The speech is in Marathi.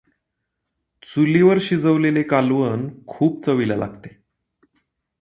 चुलीवर शिजवलेले कालवण खूप चवीला लागते.